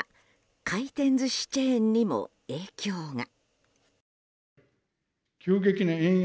回転寿司チェーンにも影響が。